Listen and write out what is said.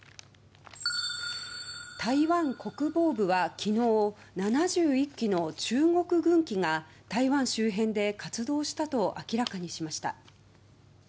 台湾国防部は昨日、７１機の中国軍機が台湾周辺で活動したと明らかにしました。